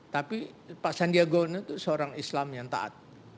tapi pak sandiago ini tuh seorang islam yang taat